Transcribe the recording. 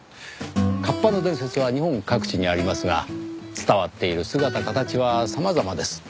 河童の伝説は日本各地にありますが伝わっている姿形は様々です。